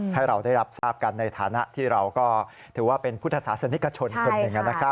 ให้เราได้รับทราบกันในฐานะที่เราก็ถือว่าเป็นพุทธศาสนิกชนคนหนึ่ง